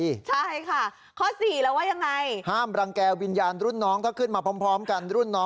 ใช่ค่ะข้อสี่แล้วว่ายังไงห้ามรังแก่วิญญาณรุ่นน้องถ้าขึ้นมาพร้อมกันรุ่นน้อง